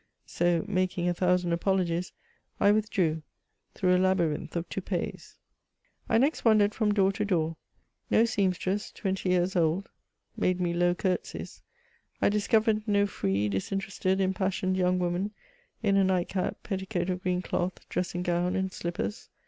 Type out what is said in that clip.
So, making a thousand apologies, I withdrew, through a labyrinth of toupets. I next wandered from door to door : no seamstress, twenty years old, made me low curtsies ; I discovered no free, disin terested, impassioned young woman, in a night cap, petticoat of green cloth, dressing gown, and slippers.